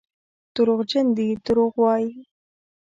دروغجن دي دروغ وايي.